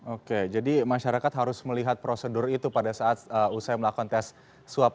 oke jadi masyarakat harus melihat prosedur itu pada saat usai melakukan tes swab